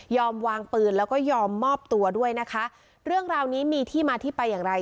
วางปืนแล้วก็ยอมมอบตัวด้วยนะคะเรื่องราวนี้มีที่มาที่ไปอย่างไร